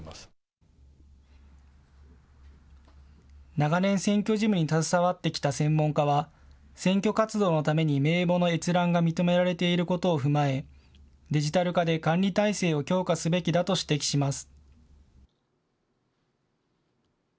長年、選挙事務に携わってきた専門家は選挙活動のために名簿の閲覧が認められていることを踏まえデジタル化で管理体制を強化すべきだと指摘します。